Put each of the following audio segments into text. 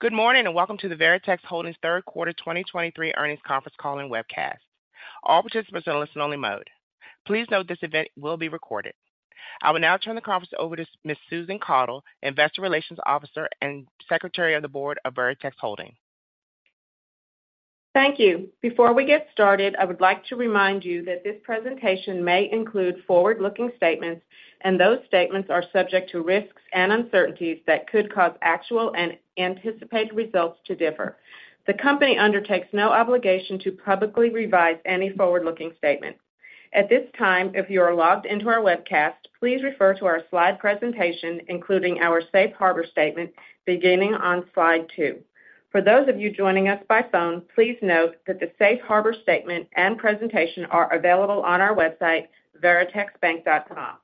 Good morning, and welcome to the Veritex Holdings third quarter 2023 earnings conference call and webcast. All participants are in listen-only mode. Please note this event will be recorded. I will now turn the conference over to Ms. Susan Caudle, Investor Relations Officer and Secretary of the Board of Veritex Holdings. Thank you. Before we get started, I would like to remind you that this presentation may include forward-looking statements, and those statements are subject to risks and uncertainties that could cause actual and anticipated results to differ. The company undertakes no obligation to publicly revise any forward-looking statement. At this time, if you are logged into our webcast, please refer to our slide presentation, including our Safe Harbor statement, beginning on Slide 2. For those of you joining us by phone, please note that the Safe Harbor statement and presentation are available on our website, veritexbank.com.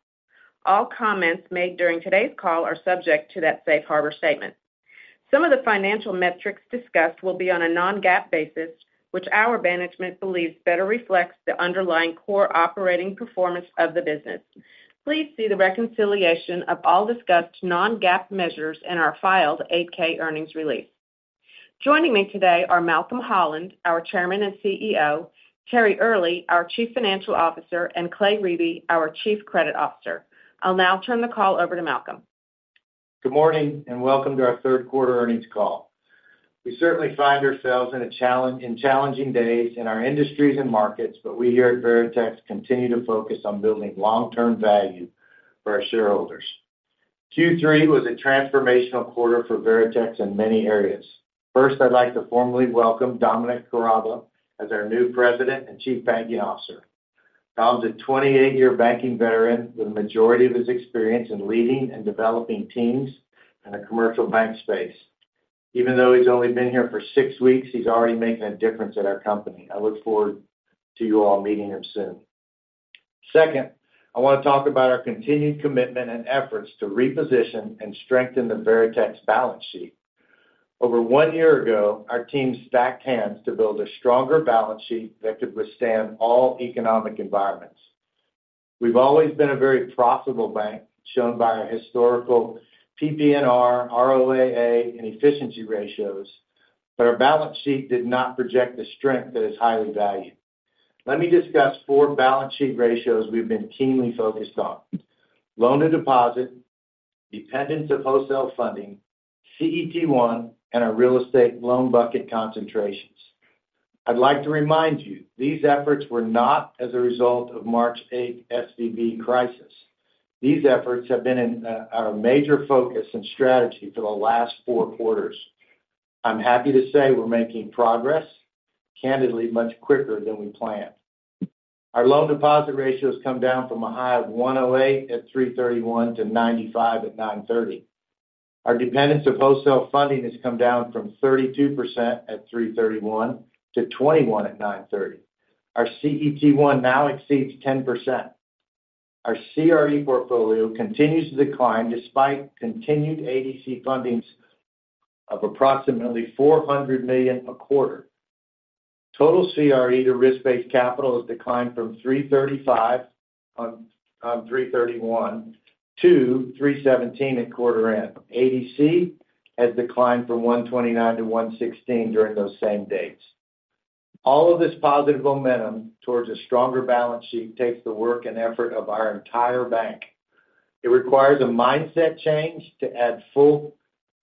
All comments made during today's call are subject to that Safe Harbor statement. Some of the financial metrics discussed will be on a non-GAAP basis, which our management believes better reflects the underlying core operating performance of the business. Please see the reconciliation of all discussed non-GAAP measures in our filed 8-K earnings release. Joining me today are Malcolm Holland, our Chairman and CEO, Terry Earley, our Chief Financial Officer, and Clay Riebe, our Chief Credit Officer. I'll now turn the call over to Malcolm. Good morning, and welcome to our third quarter earnings call. We certainly find ourselves in challenging days in our industries and markets, but we here at Veritex continue to focus on building long-term value for our shareholders. Q3 was a transformational quarter for Veritex in many areas. First, I'd like to formally welcome Dominic Karaba as our new President and Chief Banking Officer. Dom's a 28-year banking veteran, with the majority of his experience in leading and developing teams in a commercial bank space. Even though he's only been here for 6 weeks, he's already making a difference at our company. I look forward to you all meeting him soon. Second, I want to talk about our continued commitment and efforts to reposition and strengthen the Veritex balance sheet. Over one year ago, our team stacked hands to build a stronger balance sheet that could withstand all economic environments. We've always been a very profitable bank, shown by our historical PPNR, ROAA, and efficiency ratios, but our balance sheet did not project the strength that is highly valued. Let me discuss four balance sheet ratios we've been keenly focused on: loan to deposit, dependence of wholesale funding, CET1, and our real estate loan bucket concentrations. I'd like to remind you, these efforts were not as a result of March 8 SVB crisis. These efforts have been in our major focus and strategy for the last four quarters. I'm happy to say we're making progress, candidly, much quicker than we planned. Our loan deposit ratio has come down from a high of 108 at 3/31 to 95 at 9/30. Our dependence of wholesale funding has come down from 32% at 3/31 to 21 at 9/30. Our CET1 now exceeds 10%. Our CRE portfolio continues to decline despite continued ADC fundings of approximately $400 million a quarter. Total CRE to risk-based capital has declined from 335 on 3/31 to 317 at quarter end. ADC has declined from 129-116 during those same dates. All of this positive momentum towards a stronger balance sheet takes the work and effort of our entire bank. It requires a mindset change to add full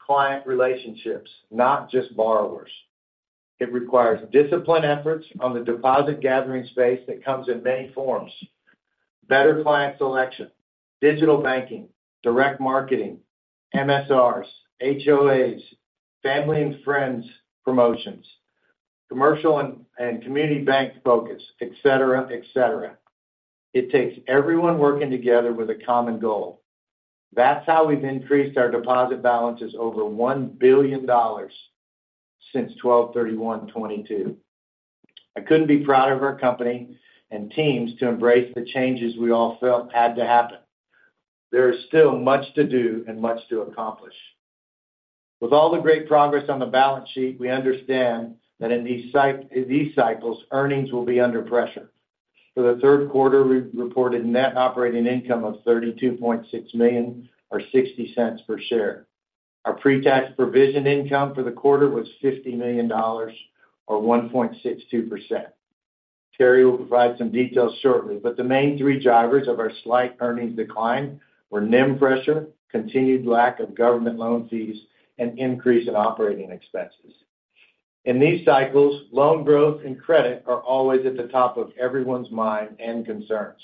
client relationships, not just borrowers. It requires disciplined efforts on the deposit gathering space that comes in many forms: better client selection, digital banking, direct marketing, MSRs, HOAs, family and friends promotions, commercial and community bank focus, et cetera, et cetera. It takes everyone working together with a common goal. That's how we've increased our deposit balances over $1 billion since 12/31/2022. I couldn't be prouder of our company and teams to embrace the changes we all felt had to happen. There is still much to do and much to accomplish. With all the great progress on the balance sheet, we understand that in these cycles, earnings will be under pressure. For the third quarter, we reported net operating income of $32.6 million or $0.60 per share. Our pre-tax provision income for the quarter was $50 million or 1.62%. Terry will provide some details shortly, but the main three drivers of our slight earnings decline were NIM pressure, continued lack of government loan fees, and increase in operating expenses. In these cycles, loan growth and credit are always at the top of everyone's mind and concerns.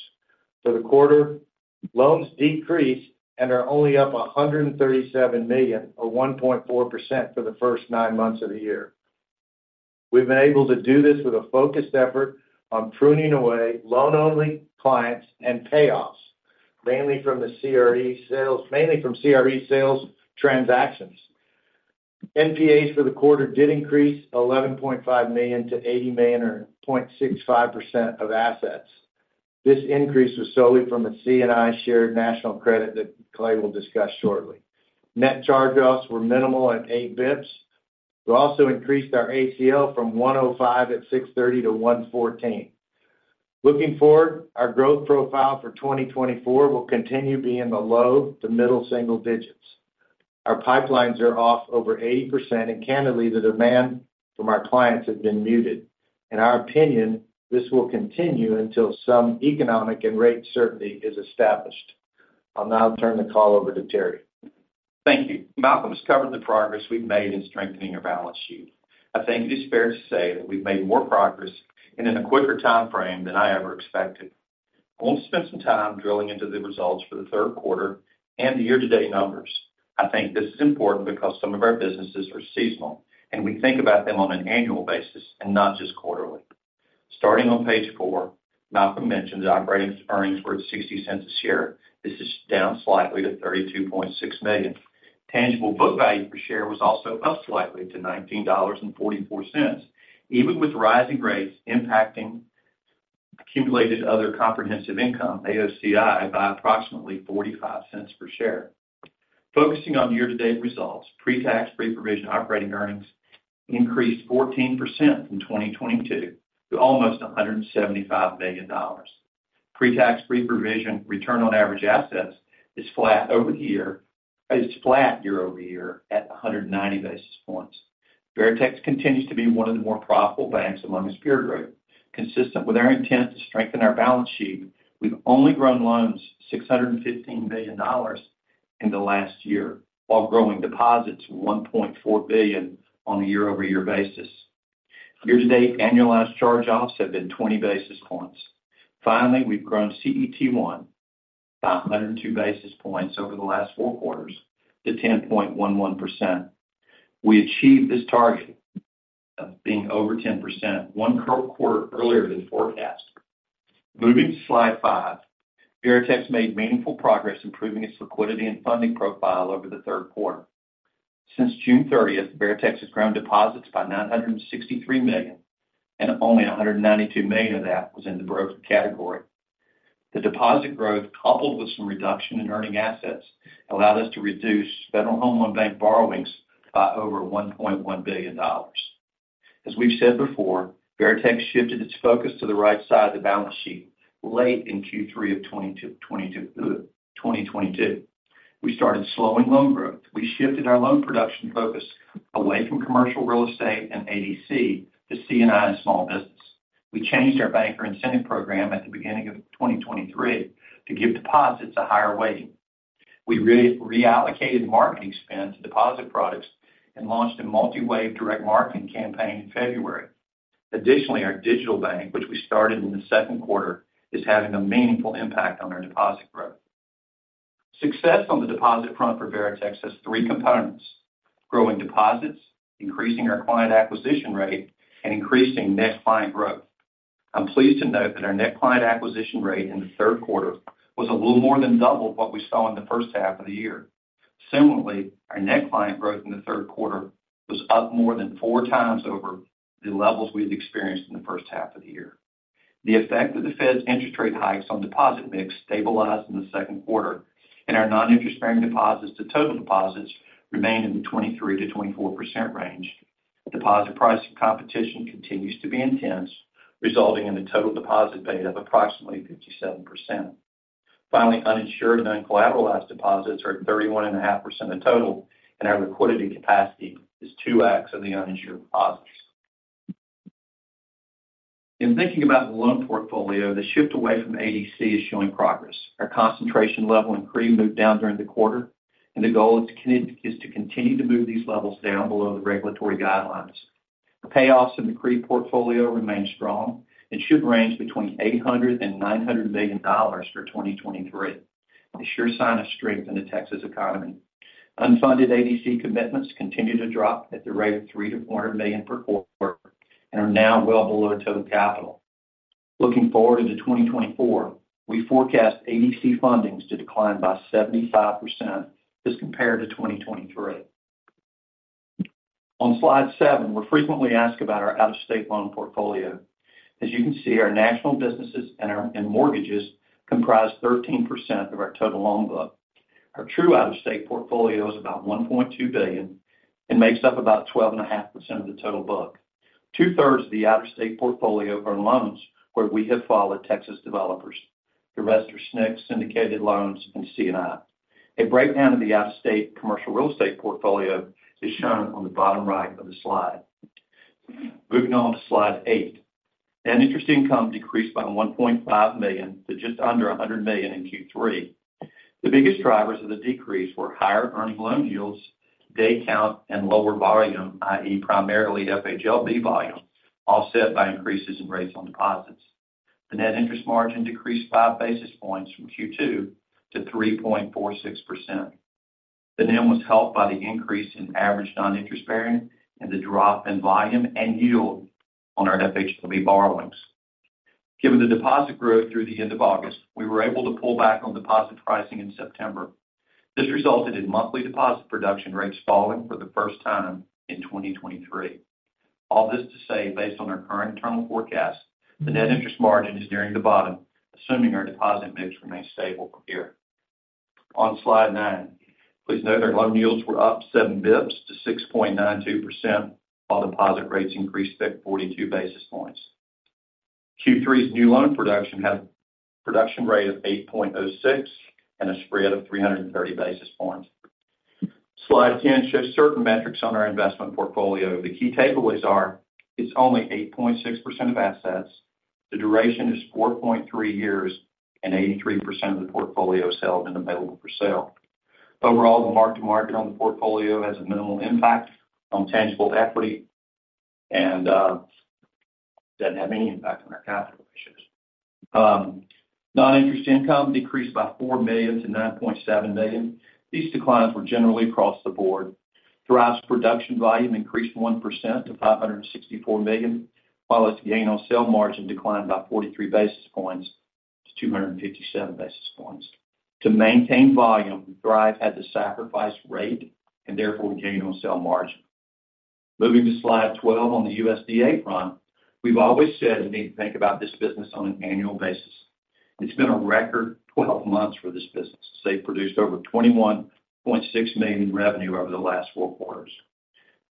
For the quarter, loans decreased and are only up $137 million or 1.4% for the first nine months of the year. We've been able to do this with a focused effort on pruning away loan-only clients and payoffs, mainly from the CRE sales, mainly from CRE sales transactions. NPAs for the quarter did increase $11.5 million to $80 million, or 0.65% of assets. This increase was solely from a C&I shared national credit that Clay will discuss shortly. Net charge-offs were minimal at 8 basis points. We also increased our ACL from 105 at 6/30 to 114. Looking forward, our growth profile for 2024 will continue to be in the low to middle-single-digits. Our pipelines are off over 80%, and candidly, the demand from our clients has been muted. In our opinion, this will continue until some economic and rate certainty is established. I'll now turn the call over to Terry. Thank you. Malcolm has covered the progress we've made in strengthening our balance sheet. I think it is fair to say that we've made more progress and in a quicker timeframe than I ever expected. I want to spend some time drilling into the results for the third quarter and the year-to-date numbers. I think this is important because some of our businesses are seasonal, and we think about them on an annual basis and not just quarterly. Starting on page four, Malcolm mentioned that operating earnings were at $0.60 per share. This is down slightly to $32.6 million. Tangible book value per share was also up slightly to $19.44, even with rising rates impacting accumulated other comprehensive income, AOCI, by approximately $0.45 per share. Focusing on year-to-date results, pre-tax, pre-provision operating earnings increased 14% from 2022 to almost $175 million. Pre-tax, pre-provision return on average assets is flat year-over-year at 190 basis points. Veritex continues to be one of the more profitable banks among the peer group. Consistent with our intent to strengthen our balance sheet, we've only grown loans $615 million in the last year, while growing deposits $1.4 billion on a year-over-year basis. Year-to-date, annualized charge-offs have been 20 basis points. Finally, we've grown CET1 by 102 basis points over the last four quarters to 10.11%. We achieved this target of being over 10%, one quarter earlier than forecast. Moving to Slide 5, Veritex made meaningful progress improving its liquidity and funding profile over the third quarter. Since June 30th, Veritex has grown deposits by $963 million, and only $192 million of that was in the brokered category. The deposit growth, coupled with some reduction in earning assets, allowed us to reduce Federal Home Loan Bank borrowings by over $1.1 billion. As we've said before, Veritex shifted its focus to the right side of the balance sheet late in Q3 of 2022. We started slowing loan growth. We shifted our loan production focus away from commercial real estate and ADC to C&I and small business. We changed our banker incentive program at the beginning of 2023 to give deposits a higher weighting. We reallocated marketing spend to deposit products and launched a multi-wave direct marketing campaign in February. Additionally, our digital bank, which we started in the second quarter, is having a meaningful impact on our deposit growth. Success on the deposit front for Veritex has three components: growing deposits, increasing our client acquisition rate, and increasing net client growth. I'm pleased to note that our net client acquisition rate in the third quarter was a little more than double what we saw in the first half of the year. Similarly, our net client growth in the third quarter was up more than 4x over the levels we've experienced in the first half of the year. The effect of the Fed's interest rate hikes on deposit mix stabilized in the second quarter, and our non-interest-bearing deposits to total deposits remained in the 23%-24% range. Deposit pricing competition continues to be intense, resulting in a total deposit beta of approximately 57%. Finally, uninsured and uncollateralized deposits are 31.5% of total, and our liquidity capacity is 2x of the uninsured deposits. In thinking about the loan portfolio, the shift away from ADC is showing progress. Our concentration level in CRE moved down during the quarter, and the goal is to continue to move these levels down below the regulatory guidelines. The payoffs in the CRE portfolio remain strong and should range between $800 million and $900 million for 2023. A sure sign of strength in the Texas economy. Unfunded ADC commitments continue to drop at the rate of $300 million-$400 million per quarter and are now well below total capital. Looking forward into 2024, we forecast ADC fundings to decline by 75% as compared to 2023. On Slide 7, we're frequently asked about our out-of-state loan portfolio. As you can see, our National businesses and mortgages comprise 13% of our total loan book. Our true out-of-state portfolio is about $1.2 billion and makes up about 12.5% of the total book. 2/3 of the out-of-state portfolio are loans where we have followed Texas developers. The rest are SNCs, syndicated loans, and C&I. A breakdown of the out-of-state commercial real estate portfolio is shown on the bottom right of the slide. Moving on to Slide 8. Net interest income decreased by $1.5 million to just under $100 million in Q3. The biggest drivers of the decrease were higher earning loan yields, day count, and lower volume, i.e., primarily FHLB volume, offset by increases in rates on deposits. The net interest margin decreased 5 basis points from Q2 to 3.46%. The NIM was helped by the increase in average non-interest bearing and the drop in volume and yield on our FHLB borrowings. Given the deposit growth through the end of August, we were able to pull back on deposit pricing in September. This resulted in monthly deposit production rates falling for the first time in 2023. All this to say, based on our current internal forecast, the net interest margin is nearing the bottom, assuming our deposit mix remains stable from here. On Slide 9, please note our loan yields were up 7 basis points to 6.92%, while deposit rates increased by 42 basis points. Q3's new loan production had a production rate of 8.06 and a spread of 330 basis points. Slide 10 shows certain metrics on our investment portfolio. The key takeaways are, it's only 8.6% of assets, the duration is 4.3 years, and 83% of the portfolio is held and available for sale. Overall, the mark-to-market on the portfolio has a minimal impact on tangible equity and doesn't have any impact on our capital ratios. Non-interest income decreased by $4 million to $9.7 million. These declines were generally across the board. Thrive's production volume increased 1% to $564 million, while its gain on sale margin declined by 43 basis points to 257 basis points. To maintain volume, Thrive had to sacrifice rate, and therefore, gain on sale margin. Moving to Slide 12 on the USDA front, we've always said you need to think about this business on an annual basis. It's been a record 12 months for this business. They've produced over $21.6 million revenue over the last 4 quarters.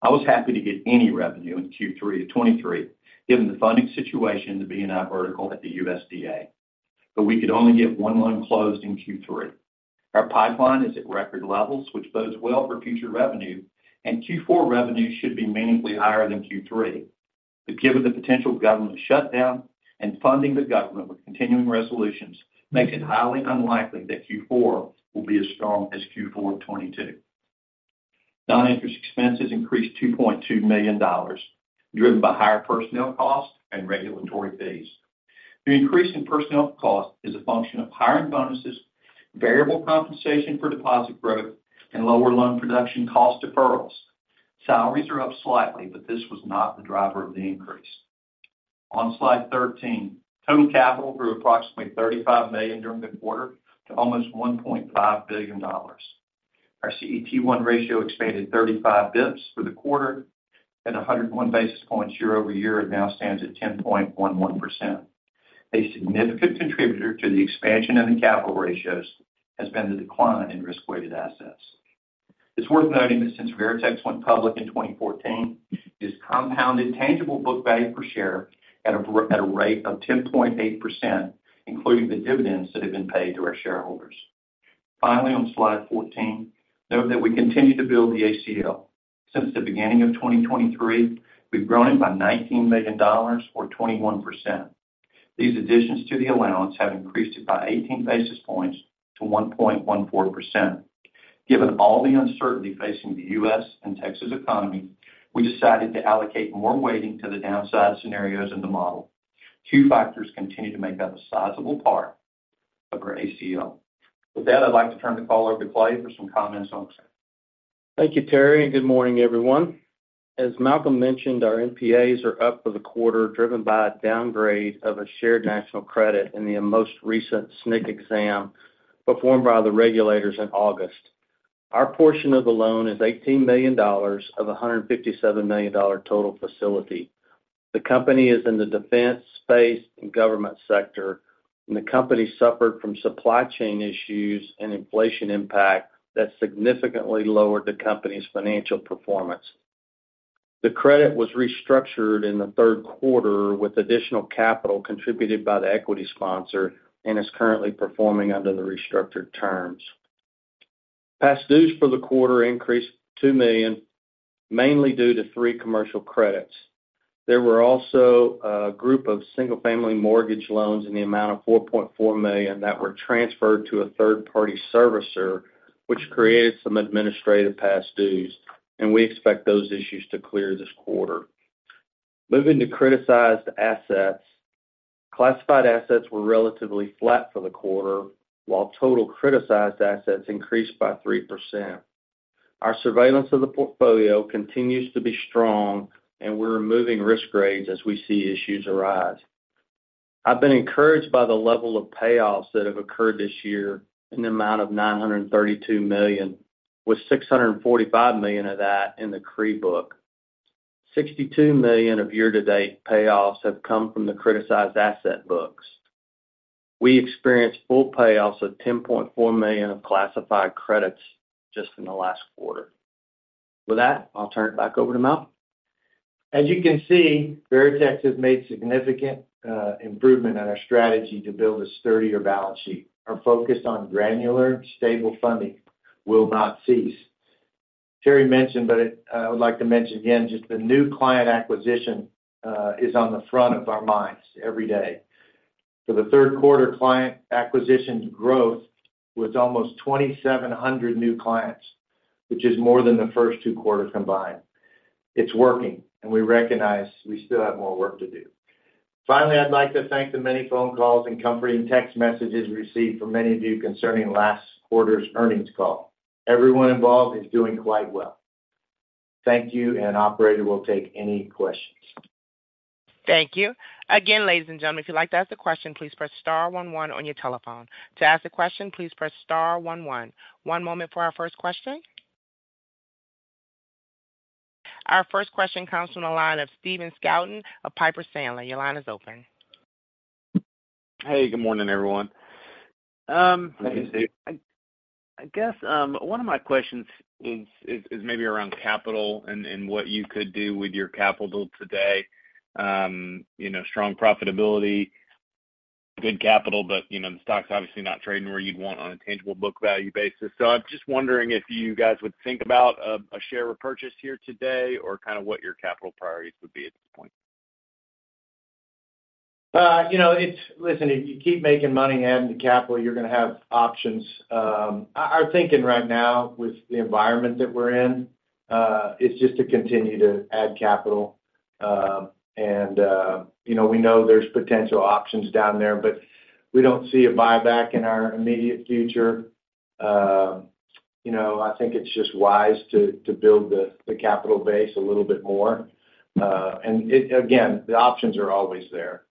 I was happy to get any revenue in Q3 of 2023, given the funding situation to be in our vertical at the USDA, but we could only get one loan closed in Q3. Our pipeline is at record levels, which bodes well for future revenue, and Q4 revenue should be meaningfully higher than Q3. But given the potential government shutdown and funding the government with continuing resolutions, make it highly unlikely that Q4 will be as strong as Q4 of 2022. Non-interest expenses increased $2.2 million, driven by higher personnel costs and regulatory fees. The increase in personnel cost is a function of hiring bonuses, variable compensation for deposit growth, and lower loan production cost deferrals. Salaries are up slightly, but this was not the driver of the increase. On Slide 13, total capital grew approximately $35 million during the quarter to almost $1.5 billion. Our CET1 ratio expanded 35 basis points for the quarter and 101 basis points year-over-year, and now stands at 10.11%. A significant contributor to the expansion of the capital ratios has been the decline in risk-weighted assets. It's worth noting that since Veritex went public in 2014, it has compounded tangible book value per share at a rate of 10.8%, including the dividends that have been paid to our shareholders. Finally, on Slide 14, note that we continue to build the ACL. Since the beginning of 2023, we've grown it by $19 million or 21%. These additions to the allowance have increased it by 18 basis points to 1.14%. Given all the uncertainty facing the U.S. and Texas economy, we decided to allocate more weighting to the downside scenarios in the model. Two factors continue to make up a sizable part of our ACL. With that, I'd like to turn the call over to Clay for some comments on sale. Thank you, Terry, and good morning, everyone. As Malcolm mentioned, our NPAs are up for the quarter, driven by a downgrade of a shared national credit in the most recent SNC exam performed by the regulators in August. Our portion of the loan is $18 million of a $157 million total facility. The company is in the defense, space, and government sector, and the company suffered from supply chain issues and inflation impact that significantly lowered the company's financial performance. The credit was restructured in the third quarter with additional capital contributed by the equity sponsor, and is currently performing under the restructured terms. Past dues for the quarter increased $2 million, mainly due to three commercial credits. There were also a group of single-family mortgage loans in the amount of $4.4 million that were transferred to a third-party servicer, which created some administrative past dues, and we expect those issues to clear this quarter. Moving to criticized assets. Classified assets were relatively flat for the quarter, while total criticized assets increased by 3%. Our surveillance of the portfolio continues to be strong, and we're removing risk grades as we see issues arise. I've been encouraged by the level of payoffs that have occurred this year in the amount of $932 million, with $645 million of that in the CRE book. $62 million of year-to-date payoffs have come from the criticized asset books. We experienced full payoffs of $10.4 million of classified credits just in the last quarter. With that, I'll turn it back over to Malcolm. As you can see, Veritex has made significant improvement on our strategy to build a sturdier balance sheet. Our focus on granular, stable funding will not cease. Terry mentioned, but I would like to mention again, just the new client acquisition is on the front of our minds every day. For the third quarter, client acquisitions growth was almost 2,700 new clients, which is more than the first two quarters combined. It's working, and we recognize we still have more work to do. Finally, I'd like to thank the many phone calls and comforting text messages received from many of you concerning last quarter's earnings call. Everyone involved is doing quite well. Thank you, and operator, we'll take any questions. Thank you. Again, ladies and gentlemen, if you'd like to ask a question, please press Star one one on your telephone. To ask a question, please press Star one one. One moment for our first question. Our first question comes from the line of Steven Scouten of Piper Sandler. Your line is open. Hey, good morning, everyone. Hey, Steve. I guess one of my questions is maybe around capital and what you could do with your capital today. You know, strong profitability, good capital, but you know, the stock's obviously not trading where you'd want on a tangible book value basis. So I'm just wondering if you guys would think about a share repurchase here today or kind of what your capital priorities would be at this point? You know, it's, listen, if you keep making money, adding to capital, you're going to have options. Our thinking right now with the environment that we're in is just to continue to add capital. You know, we know there's potential options down there, but we don't see a buyback in our immediate future. You know, I think it's just wise to build the capital base a little bit more. Again, the options are always there.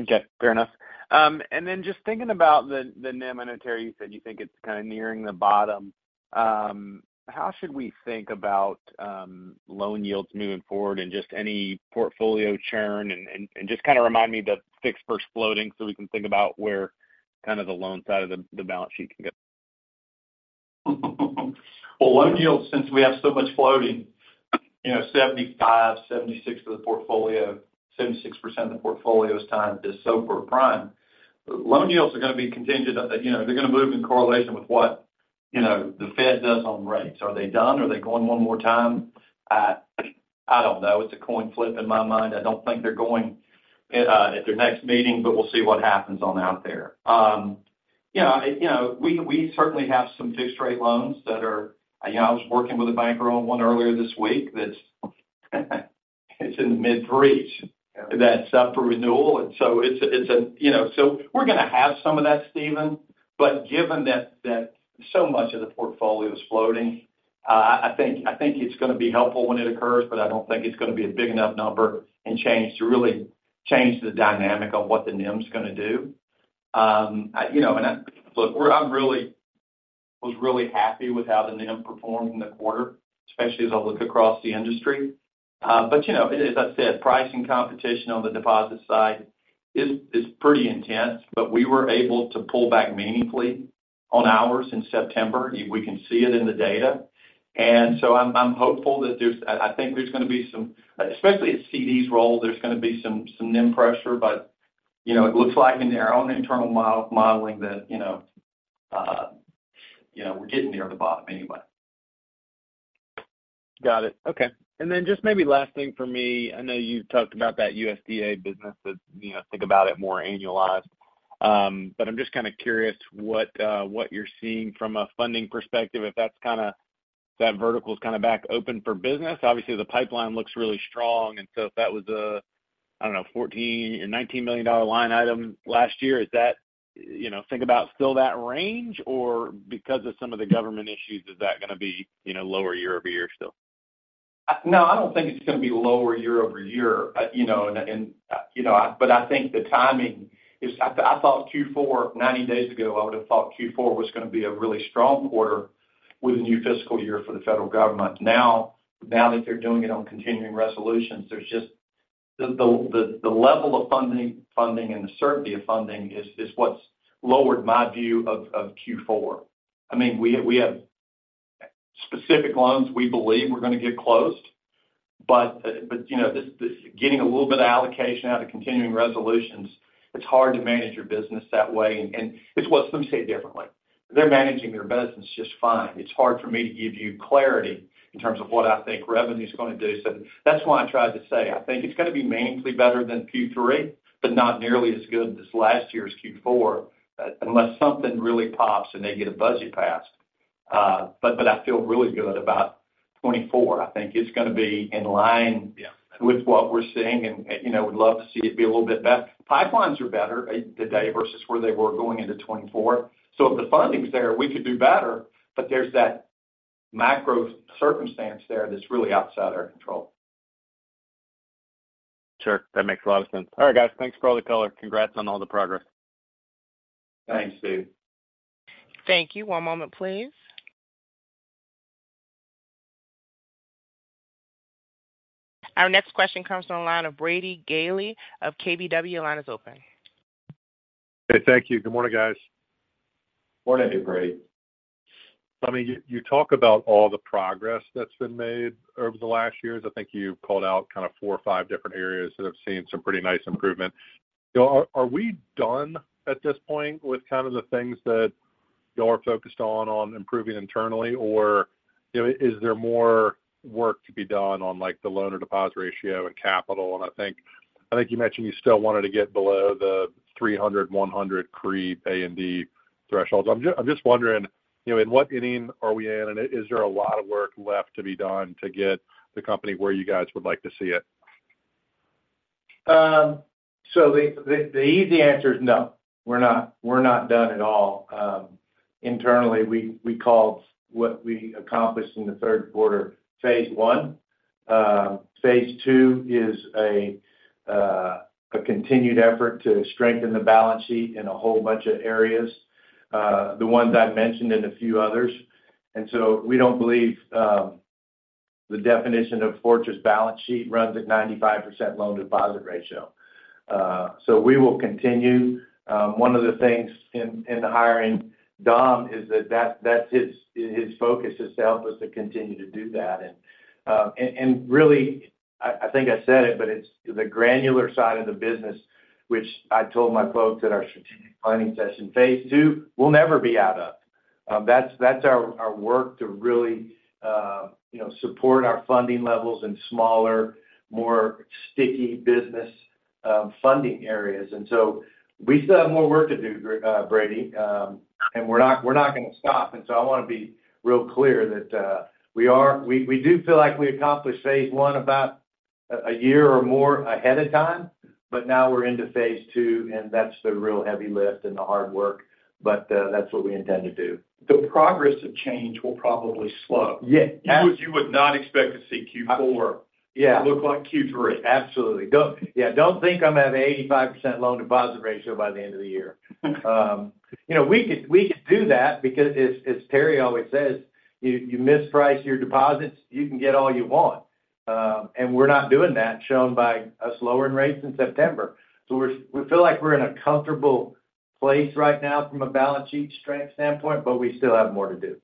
Okay, fair enough. And then just thinking about the NIM and Terry, you said you think it's kind of nearing the bottom. How should we think about loan yields moving forward and just any portfolio churn? And just kind of remind me the fixed versus floating, so we can think about where kind of the loan side of the balance sheet can go. Well, loan yields, since we have so much floating, you know, 75%-76% of the portfolio, 76% of the portfolio is tied to SOFR and Prime. Loan yields are going to be contingent on, you know, they're going to move in correlation with what, you know, the Fed does on rates. Are they done? Are they going one more time? I don't know. It's a coin flip in my mind. I don't think they're going at their next meeting, but we'll see what happens on out there. Yeah, you know, we certainly have some fixed-rate loans that are... You know, I was working with a banker on one earlier this week that's in mid-3s, that's up for renewal. And so it's a, you know, so we're going to have some of that, Steven. But given that so much of the portfolio is floating, I think it's going to be helpful when it occurs, but I don't think it's going to be a big enough number and change to really change the dynamic of what the NIM is going to do. You know, look, I was really happy with how the NIM performed in the quarter, especially as I look across the industry. But, you know, as I said, pricing competition on the deposit side is pretty intense, but we were able to pull back meaningfully on ours in September. We can see it in the data. So I'm hopeful that, I think, there's going to be some, especially as CDs roll, there's going to be some NIM pressure, but you know, it looks like in our own internal model, modeling that, you know, you know, we're getting near the bottom anyway. Got it. Okay. And then just maybe last thing for me, I know you've talked about that USDA business that, you know, think about it more annualized. But I'm just kind of curious what, what you're seeing from a funding perspective, if that's kind of, that vertical is kind of back open for business. Obviously, the pipeline looks really strong, and so if that was a, I don't know, $14 million or $19 million line item last year, is that, you know, think about still that range, or because of some of the government issues, is that going to be, you know, lower year-over-year still? No, I don't think it's going to be lower year-over-year. You know, but I think the timing is. I thought Q4, 90 days ago, I would have thought Q4 was going to be a really strong quarter with a new fiscal year for the federal government. Now, now that they're doing it on continuing resolutions, there's just the level of funding and the certainty of funding is what's lowered my view of Q4. I mean, we have specific loans we believe we're going to get closed, but, you know, this getting a little bit of allocation out of continuing resolutions, it's hard to manage your business that way. And it's what some say differently. They're managing their business just fine. It's hard for me to give you clarity in terms of what I think revenue is going to do. So that's why I tried to say, I think it's going to be meaningfully better than Q3, but not nearly as good as last year's Q4, unless something really pops and they get a budget passed. But, but I feel really good about 2024. I think it's going to be in line- Yeah with what we're seeing, and, you know, would love to see it be a little bit better. Pipelines are better today versus where they were going into 2024. So if the funding is there, we could do better, but there's that macro circumstance there that's really outside of our control. Sure. That makes a lot of sense. All right, guys. Thanks for all the color. Congrats on all the progress. Thanks, Steve. Thank you. One moment, please. Our next question comes from the line of Brady Gailey of KBW. Your line is open. Hey, thank you. Good morning, guys. Morning to you, Brady. I mean, you talk about all the progress that's been made over the last years. I think you've called out kind of four or five different areas that have seen some pretty nice improvement. So are we done at this point with kind of the things that you all are focused on, on improving internally? Or, you know, is there more work to be done on, like, the loan or deposit ratio and capital? And I think you mentioned you still wanted to get below the 300, 100 CRE A&D thresholds. I'm just wondering, you know, in what inning are we in? And is there a lot of work left to be done to get the company where you guys would like to see it? So the easy answer is no, we're not done at all. Internally, we called what we accomplished in the third quarter phase 1. Phase 2 is a continued effort to strengthen the balance sheet in a whole bunch of areas, the ones I've mentioned and a few others. So we don't believe the definition of fortress balance sheet runs at 95% loan deposit ratio. So we will continue. One of the things in the hiring, Dom, is that that's his focus is to help us to continue to do that. And really, I think I said it, but it's the granular side of the business, which I told my folks at our strategic planning session, phase 2, we'll never be out of. That's, that's our work to really, you know, support our funding levels in smaller, more sticky business funding areas. And so we still have more work to do, Brady, and we're not, we're not gonna stop. And so I wanna be real clear that we are—we, we do feel like we accomplished phase 1 about a year or more ahead of time, but now we're into phase 2, and that's the real heavy lift and the hard work. But that's what we intend to do. The progress of change will probably slow. Yeah. You would not expect to see Q4- Yeah. look like Q3. Absolutely. Yeah, don't think I'm going to have 85% loan deposit ratio by the end of the year. You know, we could, we could do that because as Terry always says, you, you misprice your deposits, you can get all you want. And we're not doing that, shown by us lowering rates in September. So we're. We feel like we're in a comfortable place right now from a balance sheet strength standpoint, but we still have more to do.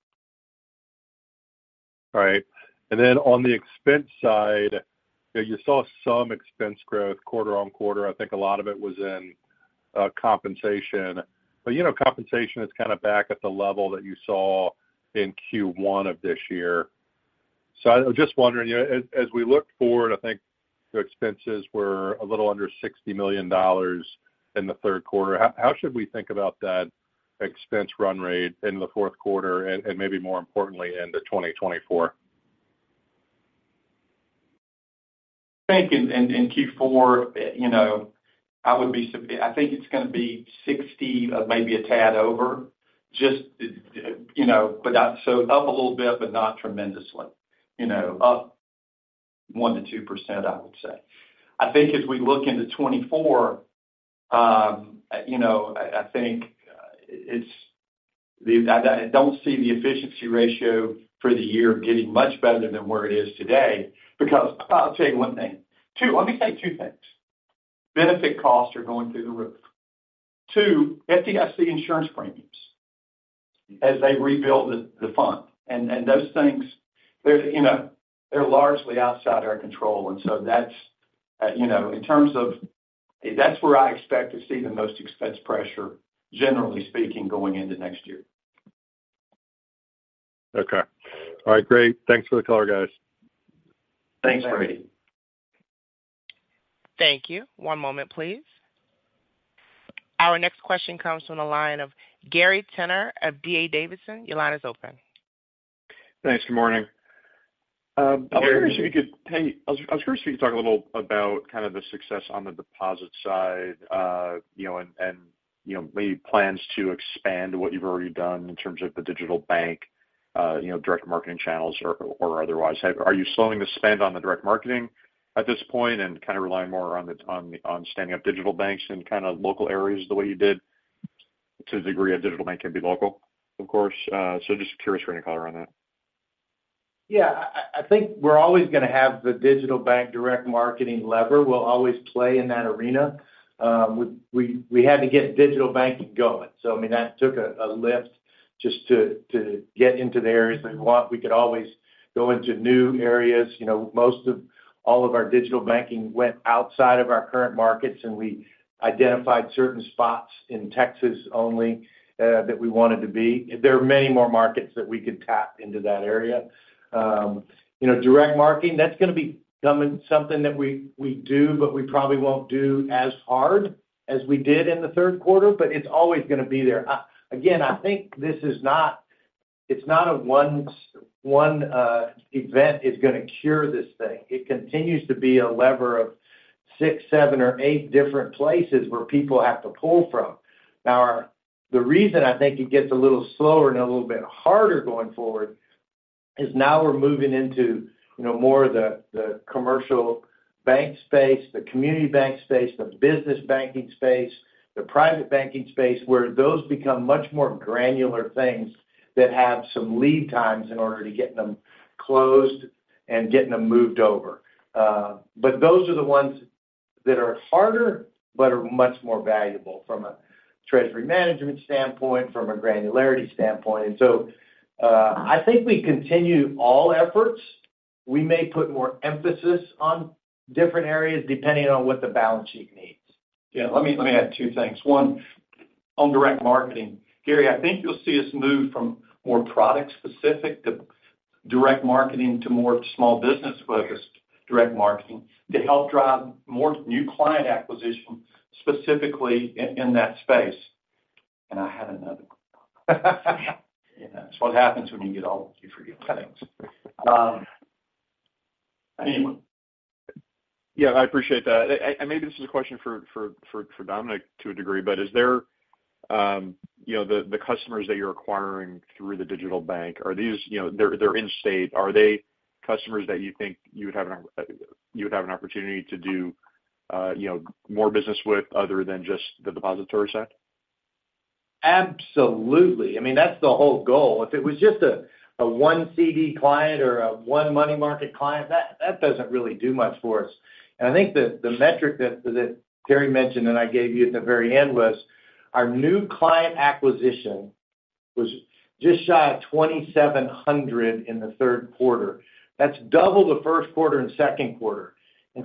All right. And then on the expense side, you saw some expense growth quarter-on-quarter. I think a lot of it was in compensation. But, you know, compensation is kind of back at the level that you saw in Q1 of this year. So I was just wondering, you know, as, as we look forward, I think the expenses were a little under $60 million in the third quarter. How, how should we think about that expense run rate in the fourth quarter and, and maybe more importantly, into 2024? I think in Q4, you know, I would be - I think it's gonna be 60, maybe a tad over, just, you know, but not so up a little bit, but not tremendously. You know, up 1%-2%, I would say. I think as we look into 2024, you know, I think it's - I don't see the efficiency ratio for the year getting much better than where it is today, because I'll tell you one thing. Two, let me tell you two things. Benefit costs are going through the roof. Two, FDIC insurance premiums as they rebuild the fund. And those things, there's, you know, they're largely outside our control, and so that's, you know, in terms of - that's where I expect to see the most expense pressure, generally speaking, going into next year. Okay. All right, great. Thanks for the call, guys. Thanks, Brady. Thank you. One moment, please. Our next question comes from the line of Gary Tenner of D.A. Davidson. Your line is open. Thanks. Good morning. I was curious if you could talk a little about kind of the success on the deposit side, you know, and, and, you know, maybe plans to expand what you've already done in terms of the digital bank, you know, direct marketing channels or, or otherwise. Are you slowing the spend on the direct marketing at this point and kind of relying more on the, on, on standing up digital banks in kind of local areas the way you did, to the degree a digital bank can be local, of course? So just curious for any color on that. Yeah, I think we're always going to have the digital bank direct marketing lever. We'll always play in that arena. We had to get digital banking going, so, I mean, that took a lift just to get into the areas that we want. We could always go into new areas. You know, most of all of our digital banking went outside of our current markets, and we identified certain spots in Texas only, that we wanted to be. There are many more markets that we could tap into that area. You know, direct marketing, that's gonna be something that we do, but we probably won't do as hard as we did in the third quarter, but it's always gonna be there. Again, I think this is not. It's not a one event is gonna cure this thing. It continues to be a lever of six, seven, or eight different places where people have to pull from. Now, the reason I think it gets a little slower and a little bit harder going forward, is now we're moving into, you know, more of the, the commercial bank space, the community bank space, the business banking space, the private banking space, where those become much more granular things that have some lead times in order to get them closed and getting them moved over. But those are the ones that are harder, but are much more valuable from a treasury management standpoint, from a granularity standpoint. And so, I think we continue all efforts. We may put more emphasis on different areas, depending on what the balance sheet needs. Yeah, let me, let me add two things. One, on direct marketing. Gary, I think you'll see us move from more product-specific to direct marketing, to more small business-focused direct marketing to help drive more new client acquisition, specifically in that space. And I had another. You know, that's what happens when you get old, you forget things. Anyway- Yeah, I appreciate that. And maybe this is a question for Dominic to a degree, but is there, you know, the customers that you're acquiring through the digital bank, are these, you know, they're in-state, are they customers that you think you would have an opportunity to do, you know, more business with other than just the depository side? Absolutely. I mean, that's the whole goal. If it was just a one CD client or a one money market client, that doesn't really do much for us. And I think the metric that Terry mentioned, and I gave you at the very end, was our new client acquisition just shy of 2,700 in the third quarter. That's double the first quarter and second quarter.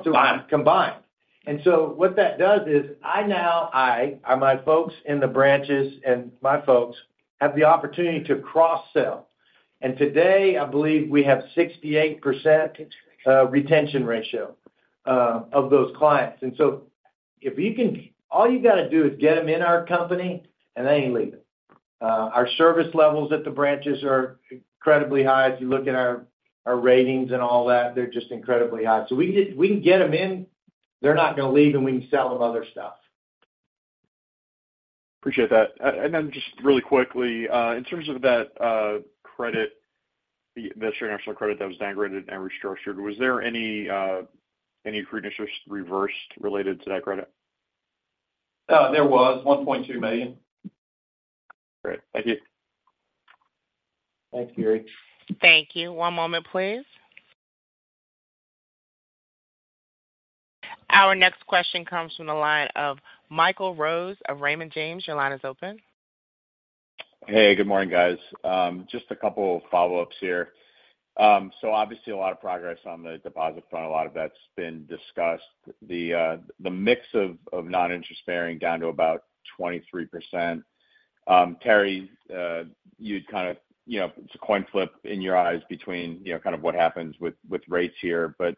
Combined. Combined. And so what that does is, I now or my folks in the branches and my folks have the opportunity to cross-sell. And today, I believe we have 68% retention ratio of those clients. And so if you can, all you gotta do is get them in our company, and they ain't leaving. Our service levels at the branches are incredibly high. If you look at our ratings and all that, they're just incredibly high. So we, if we can get them in, they're not gonna leave, and we can sell them other stuff. Appreciate that. And then just really quickly, in terms of that credit, the shared national credit that was downgraded and restructured, was there any previous interest reversed related to that credit? There was $1.2 million. Great. Thank you. Thanks, Gary. Thank you. One moment, please. Our next question comes from the line of Michael Rose of Raymond James. Your line is open. Hey, good morning, guys. Just a couple of follow-ups here. So obviously, a lot of progress on the deposit front, a lot of that's been discussed. The, the mix of, of non-interest bearing down to about 23%. Terry, you'd kind of, you know, it's a coin flip in your eyes between, you know, kind of what happens with, with rates here, but,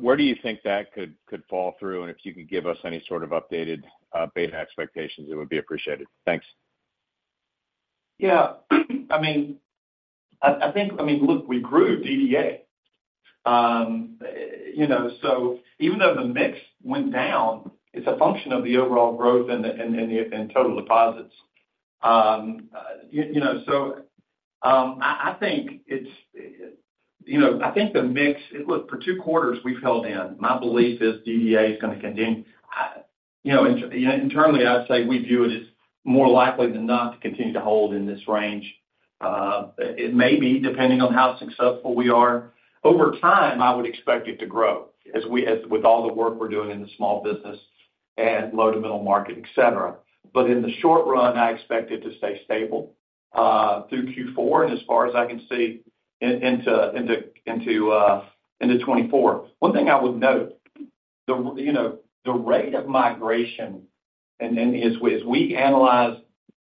where do you think that could, could fall through? And if you could give us any sort of updated, beta expectations, it would be appreciated. Thanks. Yeah, I mean, I think, I mean, look, we grew DDA. You know, so even though the mix went down, it's a function of the overall growth and the total deposits. You know, so, I think it's, you know, I think the mix... Look, for two quarters we've held in. My belief is DDA is gonna continue. You know, internally, I'd say we view it as more likely than not to continue to hold in this range. It may be, depending on how successful we are. Over time, I would expect it to grow, as with all the work we're doing in the small business and low to middle market, et cetera. But in the short run, I expect it to stay stable through Q4, and as far as I can see, into 2024. One thing I would note, you know, the rate of migration, and then as we analyze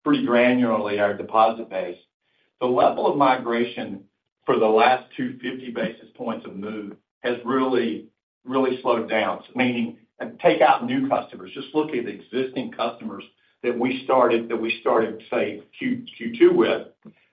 pretty granularly our deposit base, the level of migration for the last 250 basis points of move has really, really slowed down. Meaning, take out new customers, just look at the existing customers that we started, say, Q2 with.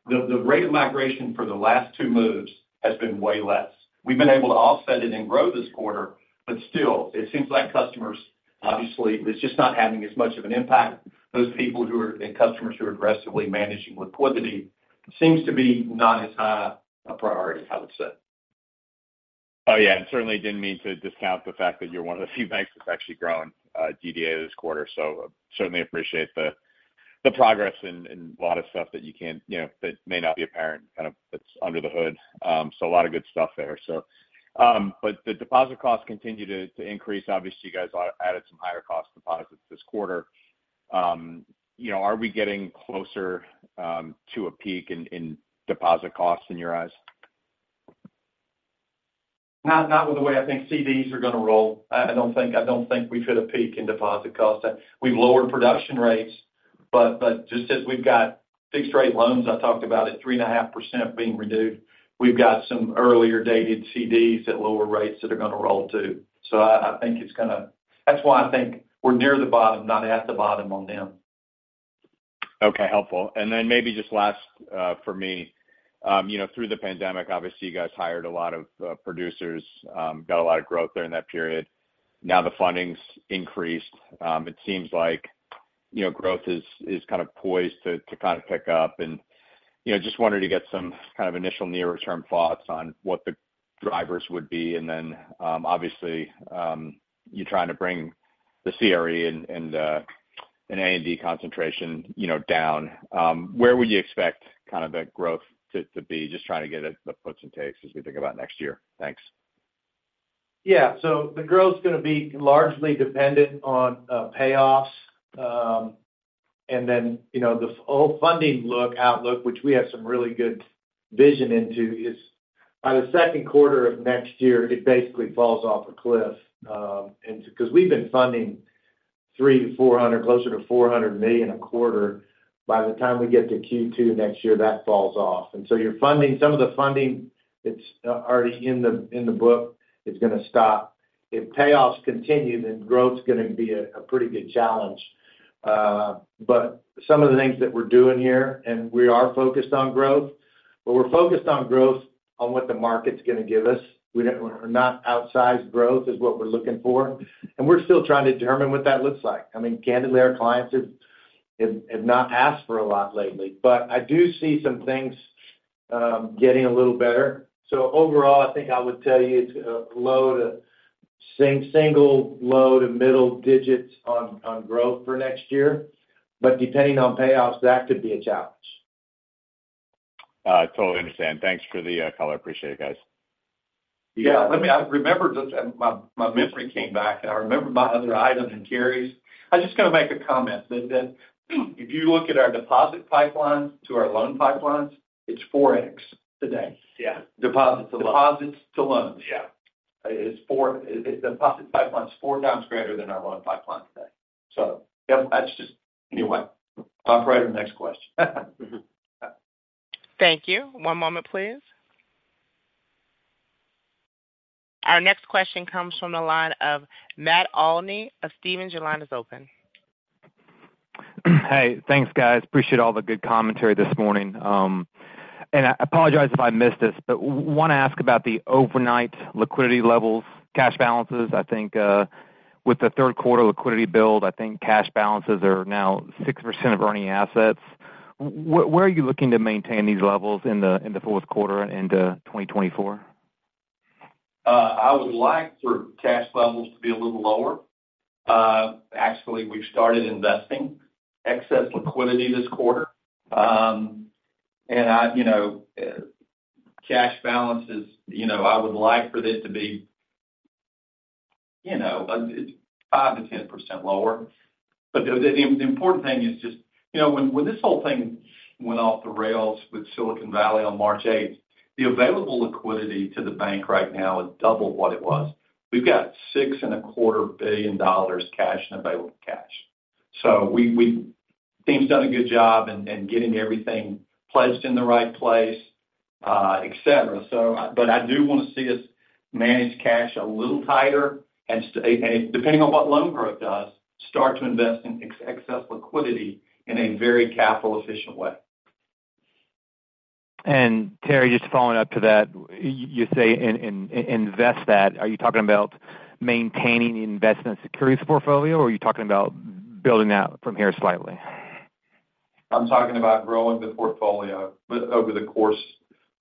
The rate of migration for the last two moves has been way less. We've been able to offset it and grow this quarter, but still, it seems like customers, obviously, it's just not having as much of an impact. Those people who are, and customers who are aggressively managing liquidity, seems to be not as high a priority, I would say. Oh, yeah, and certainly didn't mean to discount the fact that you're one of the few banks that's actually grown DDA this quarter. So certainly appreciate the progress and a lot of stuff that you can, you know, that may not be apparent, kind of, that's under the hood. So a lot of good stuff there, so... But the deposit costs continue to increase. Obviously, you guys added some higher cost deposits this quarter. You know, are we getting closer to a peak in deposit costs in your eyes? Not with the way I think CDs are gonna roll. I don't think we've hit a peak in deposit costs. We've lowered production rates, but just as we've got fixed rate loans I talked about at 3.5% being renewed, we've got some earlier dated CDs at lower rates that are gonna roll, too. So I think it's gonna. That's why I think we're near the bottom, not at the bottom on them. Okay, helpful. And then maybe just last, for me, you know, through the pandemic, obviously, you guys hired a lot of producers, got a lot of growth during that period. Now, the funding's increased. It seems like, you know, growth is kind of poised to kind of pick up. And, you know, just wanted to get some kind of initial near-term thoughts on what the drivers would be. And then, obviously, you're trying to bring the CRE and A&D concentration, you know, down. Where would you expect kind of that growth to be? Just trying to get the puts and takes as we think about next year. Thanks. Yeah. So the growth is gonna be largely dependent on payoffs, and then, you know, the FHLB funding outlook, which we have some really good vision into, is by the second quarter of next year, it basically falls off a cliff. And because we've been funding $300 million-$400 million, closer to $400 million a quarter, by the time we get to Q2 next year, that falls off. And so you're funding—some of the funding that's already in the book is gonna stop. If payoffs continue, then growth's gonna be a pretty good challenge. But some of the things that we're doing here, and we are focused on growth, but we're focused on growth on what the market's going to give us. We don't not outsized growth is what we're looking for, and we're still trying to determine what that looks like. I mean, candidly, our clients have not asked for a lot lately, but I do see some things getting a little better. So overall, I think I would tell you it's low to single, low to middle-digits on growth for next year, but depending on payoffs, that could be a challenge. Totally understand. Thanks for the color. Appreciate it, guys. Yeah, let me. I remember, and my memory came back, and I remember my other item in Terry's. I just got to make a comment, that if you look at our deposit pipeline to our loan pipelines, it's 4x today. Yeah. Deposits to loans. Deposits to loans. Yeah. The deposit pipeline is 4 times greater than our loan pipeline today. So, yep, that's just... Anyway, operator, next question. Thank you. One moment, please. Our next question comes from the line of Matt Olney of Stephens. Your line is open. Hey, thanks, guys. Appreciate all the good commentary this morning. I apologize if I missed this, but want to ask about the overnight liquidity levels, cash balances. I think, with the third quarter liquidity build, I think cash balances are now 6% of earning assets. Where are you looking to maintain these levels in the fourth quarter into 2024? I would like for cash levels to be a little lower. Actually, we've started investing excess liquidity this quarter. You know, cash balances, you know, I would like for this to be, you know, 5%-10% lower. But the important thing is just, you know, when this whole thing went off the rails with Silicon Valley on March eighth, the available liquidity to the bank right now is double what it was. We've got $6.25 billion cash in available cash. So the team's done a good job in getting everything pledged in the right place, etc. But I do want to see us manage cash a little tighter, and depending on what loan growth does, start to invest in excess liquidity in a very capital-efficient way. And, Terry, just following up to that, you say in invest that, are you talking about maintaining the investment securities portfolio, or are you talking about building that from here slightly? I'm talking about growing the portfolio over the course.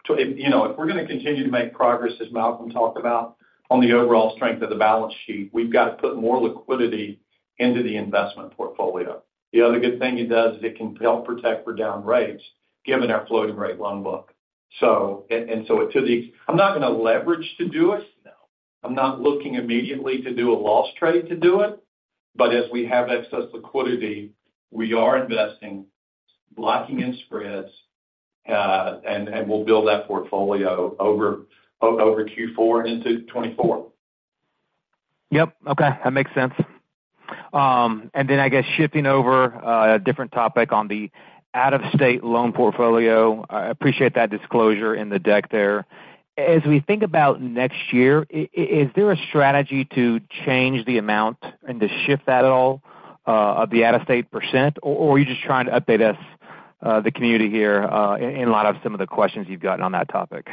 To, if, you know, if we're going to continue to make progress, as Malcolm talked about, on the overall strength of the balance sheet, we've got to put more liquidity into the investment portfolio. The other good thing it does is it can help protect for down rates, given our floating rate loan book. So, to the-- I'm not going to leverage to do it. I'm not looking immediately to do a loss trade to do it, but as we have excess liquidity, we are investing, locking in spreads, and we'll build that portfolio over Q4 into 2024. Yep. Okay, that makes sense. And then, I guess, shifting over, a different topic on the out-of-state loan portfolio. I appreciate that disclosure in the deck there. As we think about next year, is there a strategy to change the amount and to shift that at all, of the out-of-state percent, or are you just trying to update us, the community here, in light of some of the questions you've gotten on that topic?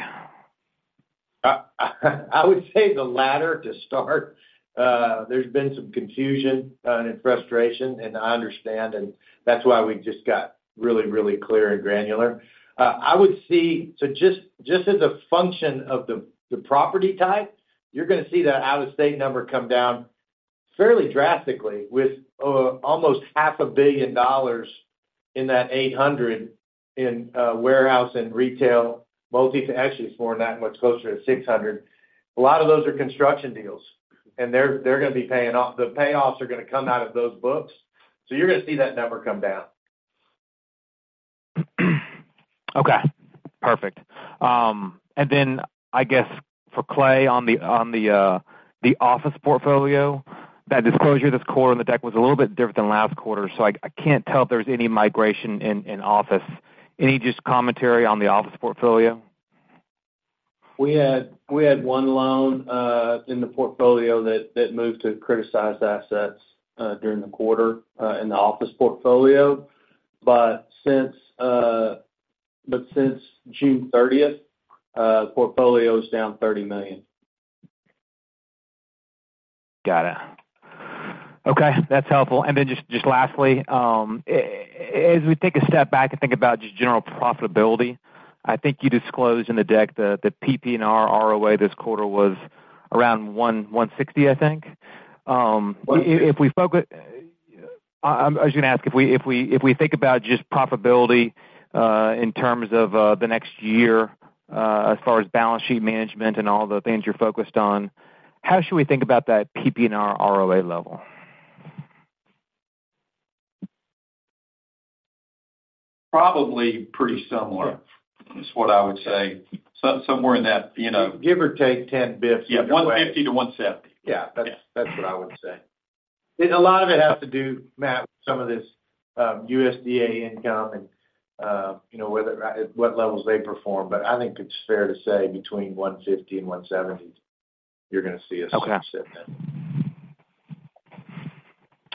I would say the latter to start. There's been some confusion and, and frustration, and I understand, and that's why we just got really, really clear and granular. I would see. So just, just as a function of the, the property type, you're going to see that out-of-state number come down fairly drastically, with, almost $500 million in that $800 million in, warehouse and retail, multi-tenant. Actually, it's more than that, much closer to $600 million. A lot of those are construction deals, and they're, they're going to be paying off. The payoffs are going to come out of those books, so you're going to see that number come down. Okay, perfect. And then I guess for Clay, on the office portfolio, that disclosure this quarter in the deck was a little bit different than last quarter. So I can't tell if there's any migration in office. Any just commentary on the office portfolio? We had one loan in the portfolio that moved to criticized assets during the quarter in the office portfolio. But since June 30, the portfolio is down $30 million. Got it. Okay, that's helpful. Then just lastly, as we take a step back and think about just general profitability, I think you disclosed in the deck the PPNR ROA this quarter was around 1.160%, I think. If we focus- 160. I was going to ask, if we think about just profitability, in terms of the next year, as far as balance sheet management and all the things you're focused on, how should we think about that PPNR ROA level? Probably pretty similar, is what I would say. So somewhere in that, you know- Give or take 10 basis. Yeah, $150-$170. Yeah, that's, that's what I would say. A lot of it has to do, Matt, with some of this USDA income and, you know, whether or not- at what levels they perform, but I think it's fair to say between $150 and $170, you're going to see us- Okay... sitting in.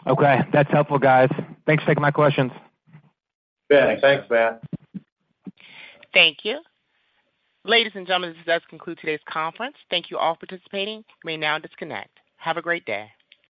Okay. That's helpful, guys. Thanks for taking my questions. Yeah. Thanks, Matt. Thank you. Ladies and gentlemen, this does conclude today's conference. Thank you all for participating. You may now disconnect. Have a great day.